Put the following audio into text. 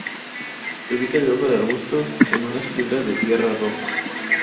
Se ubica debajo de arbustos, en las piedras de tierra roja.